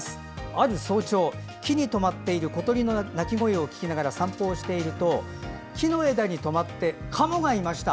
ある早朝、木に止まっている小鳥の鳴き声を聞きながら散歩をしていると木の枝に止まったカモがいました。